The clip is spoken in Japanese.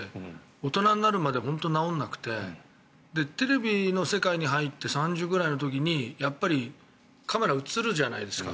大人になるまで本当に直らなくてテレビの世界に入って３０くらいの時にやっぱりカメラに映るじゃないですか。